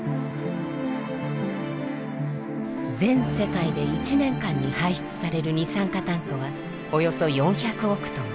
全世界で１年間に排出される二酸化炭素はおよそ４００億トン。